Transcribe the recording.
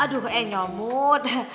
aduh eh nyomot